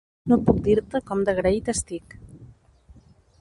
No puc dir-te com d'agraït estic.